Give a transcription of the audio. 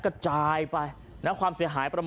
โอ้โหพังเรียบเป็นหน้ากล่องเลยนะครับ